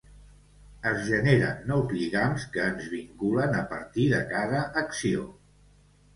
Es generen nous lligams que ens vinculen a partir de cada acció.